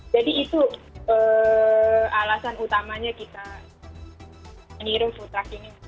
jadi itu alasan utamanya kita meniru futra ini